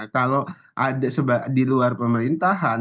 kalau ada di luar pemerintahan